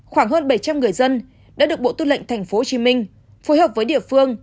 khoảng hơn bảy trăm linh người dân đã được bộ tư lệnh tp hcm phối hợp với địa phương